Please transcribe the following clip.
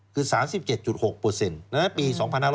คือ๓๗๖ในปี๒๕๕๑